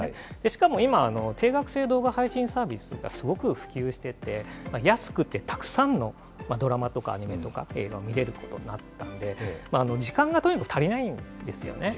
しかも今、定額制動画配信サービスとかすごく普及してて、安くてたくさんのドラマとかアニメとか見れることになったんで、時間がとにかく足りないんですよね。